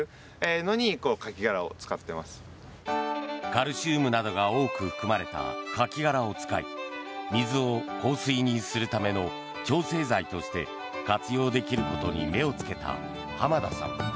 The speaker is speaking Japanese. カルシウムなどが多く含まれたカキ殻を使い水を硬水にするための調整剤として活用できることに目をつけた濱田さん。